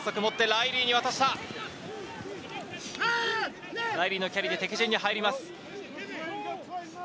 ライリーのキャリーで敵陣に入ります。